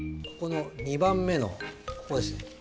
ここの２番目のここですね。